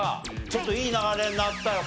ちょっといい流れになったよ